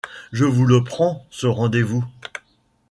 Je vous le prends, ce rendez-vous ?